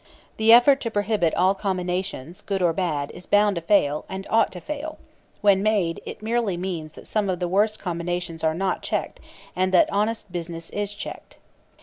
The effort to prohibit all combinations, good or bad, is bound to fail, and ought to fail; when made, it merely means that some of the worst combinations are not checked and that honest business is checked.